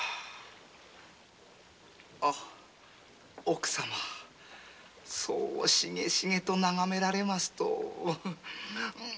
奥様ぁそうしげしげと眺められますと。